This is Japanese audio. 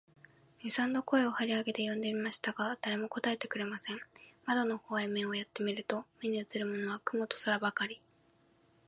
二三度声を張り上げて呼んでみましたが、誰も答えてくれません。窓の方へ目をやって見ると、目にうつるものは雲と空ばかり、